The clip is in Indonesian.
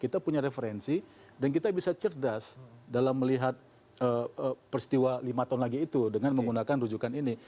kita punya referensi dan kita bisa cerdas dalam melihat peristiwa lima tahun lagi itu dengan menggunakan rujukan ini